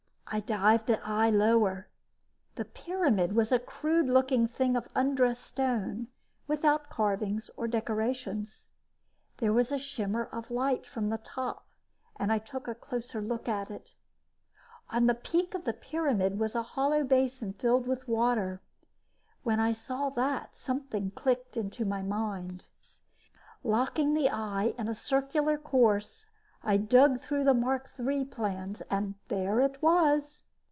I dived the eye lower. The pyramid was a crude looking thing of undressed stone, without carvings or decorations. There was a shimmer of light from the top and I took a closer look at it. On the peak of the pyramid was a hollow basin filled with water. When I saw that, something clicked in my mind. Locking the eye in a circular course, I dug through the Mark III plans and there it was.